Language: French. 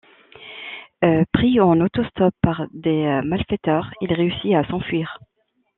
Pris en auto stop par des malfaiteurs il réussit à s'enfuir.